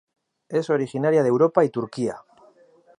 Es originaria de Europa y Turquía.